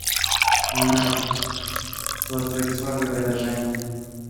"Nienawiść, to zbyt słabe wyrażenie."